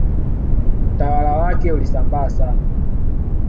Utawala wake ulisambaa sana